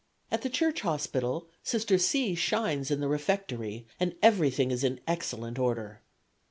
At the Church Hospital Sister C. shines in the refectory, and everything is in excellent order."